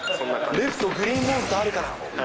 レフト、グリーンモンスターあるから。